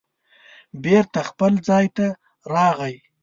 بېرته خپل ځای ته راغی